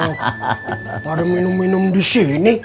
kalau ada minum minum di sini